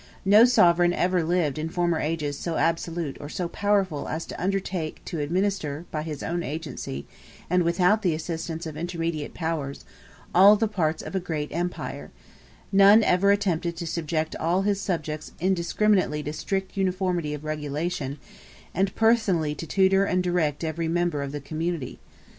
No sovereign ever lived in former ages so absolute or so powerful as to undertake to administer by his own agency, and without the assistance of intermediate powers, all the parts of a great empire: none ever attempted to subject all his subjects indiscriminately to strict uniformity of regulation, and personally to tutor and direct every member of the community.